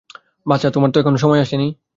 বাছা, তোমার সময় তো এখনো আসেনি।